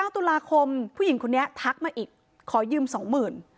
ตุลาคมผู้หญิงคนนี้ทักมาอีกขอยืม๒๐๐๐บาท